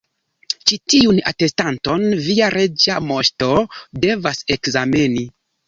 Ĉi tiun atestanton via Reĝa Moŝto devas ekzameni.